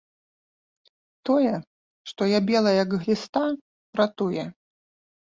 Тое, што я белая, як гліста, ратуе.